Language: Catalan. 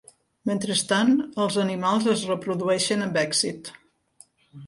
Mentrestant, els animals es reprodueixen amb èxit.